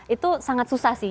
itu sangat susah sih